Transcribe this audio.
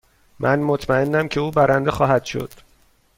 من مطمئنم که او برنده خواهد شد.